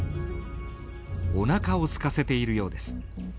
お腹をすかせているようです。